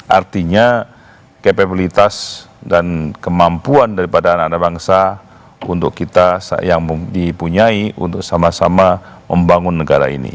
artinya kapabilitas dan kemampuan daripada anak anak bangsa untuk kita yang dipunyai untuk sama sama membangun negara ini